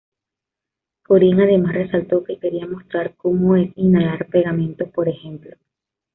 Korine además resaltó que "quería mostrar como es inhalar pegamento, por ejemplo.